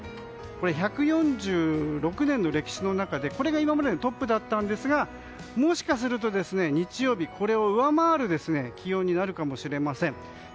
１４６年の歴史の中でこれが今までのトップだったんですがもしかすると日曜日これを上回る気温になるかもしれません。